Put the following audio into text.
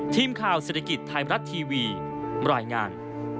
ทีมข่าวเศรษฐกิจไทยมรัฐทีวีรายงาน